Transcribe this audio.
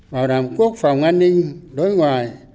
bảo đảm quốc phòng an ninh đối ngoài